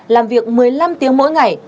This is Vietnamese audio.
làm việc một mươi năm tiếng mỗi ngày